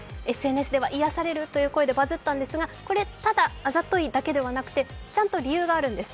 ＳＮＳでは、癒やされるという声でバズったんですがこれ、ただあざといだけではなくてちゃんと理由があるんです。